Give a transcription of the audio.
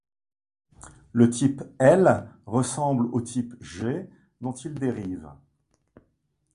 Le Type L ressemble au Type G, dont il dérive.